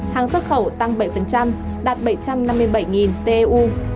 hàng xuất khẩu tăng bảy đạt bảy trăm năm mươi bảy teu